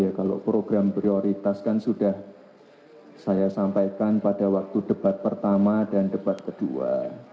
ya kalau program prioritas kan sudah saya sampaikan pada waktu debat pertama dan debat kedua